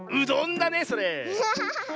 だねそれ。